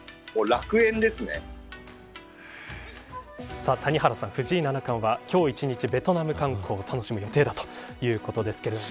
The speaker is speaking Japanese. さあ谷原さん、藤井七冠は今日一日ベトナム観光を楽しむ予定だということですけれども。